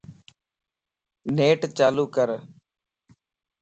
نيٽ چالو ڪر